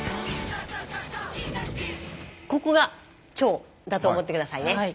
ここが腸だと思って下さいね。